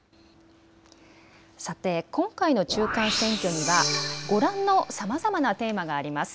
さて今回の中間選挙にはご覧のさまざまなテーマがあります。